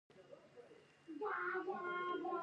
د خپلو شخصي تجربو درک کوو.